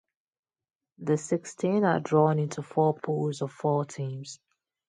The sixteen are drawn into four pools of four teams.